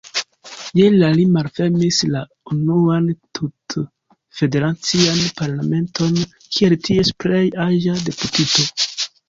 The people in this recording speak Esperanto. Je la li malfermis la unuan tut-federacian parlamenton kiel ties plej-aĝa deputito.